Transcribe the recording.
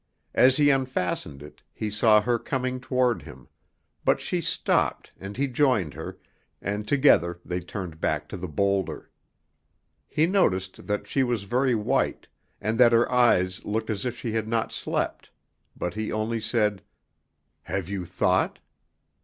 As he unfastened it, he saw her coming toward him, but she stopped and he joined her, and together they turned back to the boulder. He noticed that she was very white, and that her eyes looked as if she had not slept, but he only said, "Have you thought?"